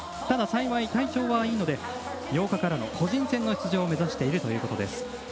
ただ、幸い体調はいいので８日からの個人戦の出場を目指しているということです。